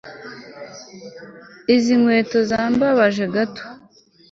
Izi nkweto zambabaje gato